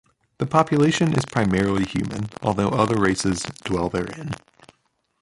The population is primarily human although other races dwell therein.